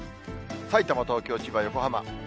さいたま、東京、千葉、横浜。